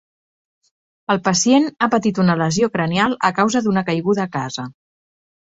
El pacient ha patit una lesió cranial a causa d'una caiguda a casa.